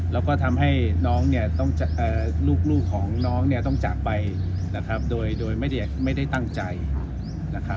แล้วก็ทำให้น้องเนี่ยลูกของน้องเนี่ยต้องจากไปนะครับโดยไม่ได้ตั้งใจนะครับ